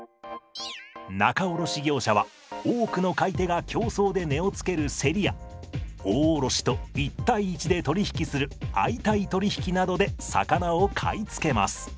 仲卸業者は多くの買い手が競争で値をつけるセリや大卸と１対１で取り引きする相対取引などで魚を買い付けます。